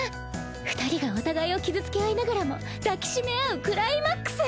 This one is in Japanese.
二人がお互いを傷つけ合いながらも抱き締め合うクライマックス！